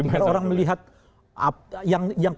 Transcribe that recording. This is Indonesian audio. tinggal orang melihat yang